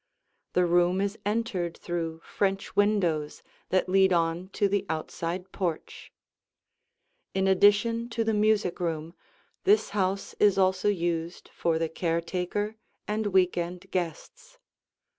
The room is entered through French windows that lead on to the outside porch. In addition to the music room, this house is also used for the caretaker and week end guests.